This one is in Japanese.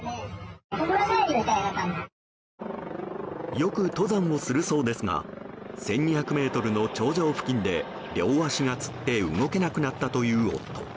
よく登山をするそうですが１２００ｍの頂上付近で両足がつって動けなくなったという夫。